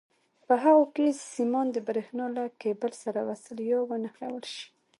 په هغو کې سیمان د برېښنا له کېبل سره وصل یا ونښلول شي.